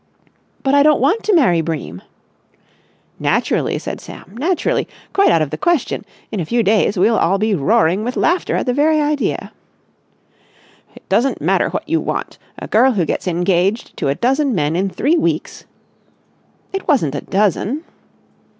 "But I don't want to marry Bream!" "Naturally!" said Sam. "Naturally! Quite out of the question. In a few days we'll all be roaring with laughter at the very idea." "It doesn't matter what you want! A girl who gets engaged to a dozen men in three weeks...." "It wasn't a dozen!"